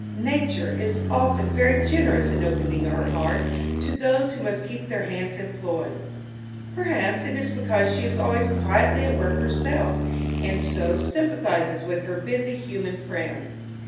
Nature is often very generous in opening her heart to those who must keep their hands employed. Perhaps it is because she is always quietly at work herself, and so sympathizes with her busy human friends.